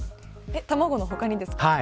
卵の他にですか。